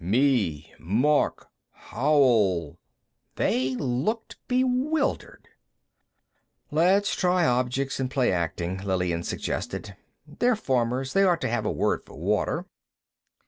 "Me ... Mark ... Howell...." They looked bewildered. "Let's try objects, and play acting," Lillian suggested. "They're farmers; they ought to have a word for water."